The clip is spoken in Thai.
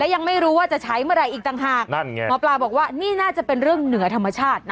ยังไม่รู้ว่าจะใช้เมื่อไหร่อีกต่างหากนั่นไงหมอปลาบอกว่านี่น่าจะเป็นเรื่องเหนือธรรมชาตินะ